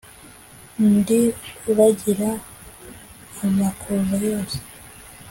Ndi uragira amakuza yose